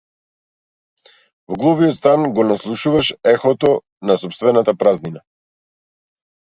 Во глувиот стан го наслушнуваш ехото на сопствената празнина.